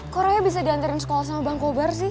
kok raya bisa dianterin sekolah sama bangkobar sih